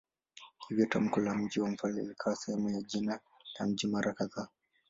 Hivyo tamko la "mji wa mfalme" likawa sehemu ya jina la mji mara kadhaa.